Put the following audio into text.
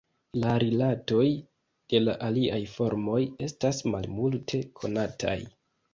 La rilatoj de la aliaj formoj estas malmulte konataj.